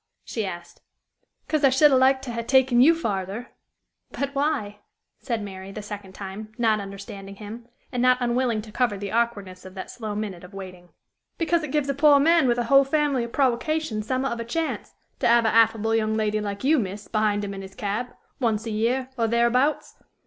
she asked. "'Cause I should ha' liked to ha' taken you farther." "But why?" said Mary, the second time, not understanding him, and not unwilling to cover the awkwardness of that slow minute of waiting. "Because it gives a poor man with a whole family o' prowocations some'at of a chance, to 'ave a affable young lady like you, miss, behind him in his cab, once a year, or thereabouts.